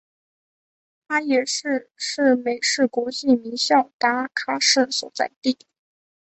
它也是是美式国际名校达卡市所在地。